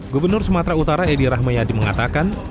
gubernur sumatera utara edi rahmayadi mengatakan